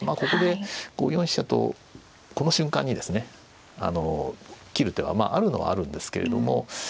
ここで５四飛車とこの瞬間にですね切る手はあるのはあるんですけれども。